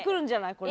これ。